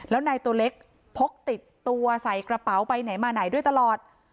แล้วนายตัวเล็กพกติดตัวใส่กระเป๋าไปไหนมาไหนด้วยตลอด